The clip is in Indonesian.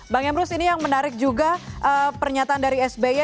bang emrus ini yang menarik juga pernyataan dari sby